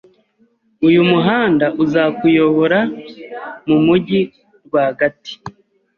Uyu muhanda uzakuyobora mu mujyi rwagati.